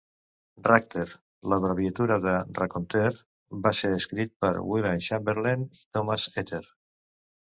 Racter, l'abreviatura de "raconteur", va ser escrit per William Chamberlain i Thomas Etter.